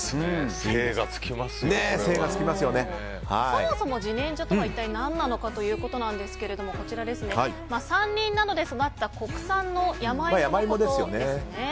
そもそも自然薯とは一体、何なのかということですがこちら、山林などで育った国産の山イモのことですね。